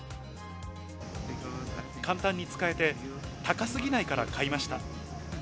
簡単に使えて、高すぎないから買いました。